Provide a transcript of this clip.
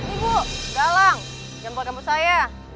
ibu galang jambak jambak saya